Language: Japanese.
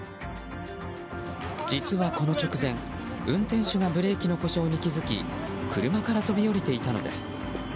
実はこの直前運転手がブレーキの故障に気づき車から飛び降りていたのです。